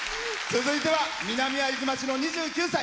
続いては南会津町の２９歳。